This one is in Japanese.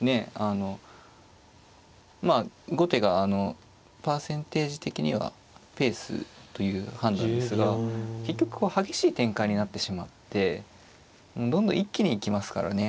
あのまあ後手がパーセンテージ的にはペースという判断ですが結局こう激しい展開になってしまってどんどん一気に行きますからね。